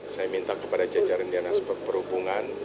saya minta kepada jajaran dinas perhubungan